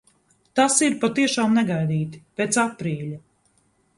Tas ir patiešām negaidīti – pēc aprīļa.